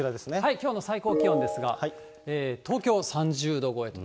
きょうの最高気温ですが、東京３０度超えと。